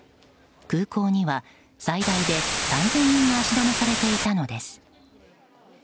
空港には最大で３０００人が足止めされていたのです。